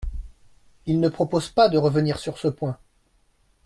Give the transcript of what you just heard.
Il ne propose pas de revenir sur ce point.